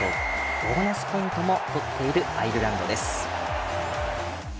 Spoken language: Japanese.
ボーナスポイントも取っているアイルランドです。